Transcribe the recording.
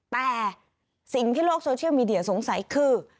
แต่สิ่งที่โลกโซเชียลมีเดียสงสัยคือ